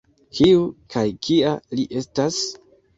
Kiu kaj kia li estas?